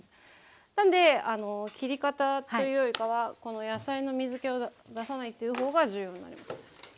なんで切り方というよりかは野菜の水けを出さないという方が重要になります。